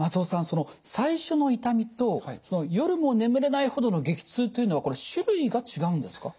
その最初の痛みと夜も眠れないほどの激痛というのはこれ種類が違うんですか？